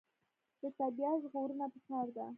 د طبیعت ژغورنه پکار ده.